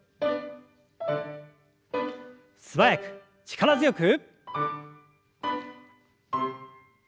素早く力強く。